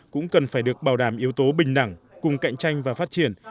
cũng cần phải được bảo đảm yếu tố bình đẳng cùng cạnh tranh và phát triển